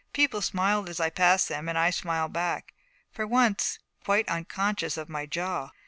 People smiled as I passed them and I smiled back, for once quite unconscious of my jaw.